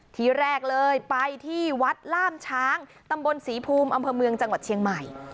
ทีแรกเลยไปที่วัดล่ามช้างตำบลศรีภูมิอำเภอเมืองจังหวัดเชียงใหม่